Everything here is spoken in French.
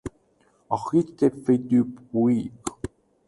Arrête de faire du bruit !